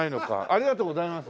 ありがとうございます。